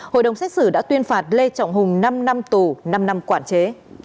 hội đồng xét xử đã tuyên phạt lê trọng hùng năm năm tù năm năm quản chế